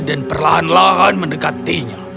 dan perlahan lahan mendekatinya